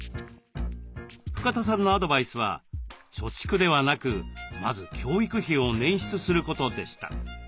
深田さんのアドバイスは貯蓄ではなくまず教育費を捻出することでした。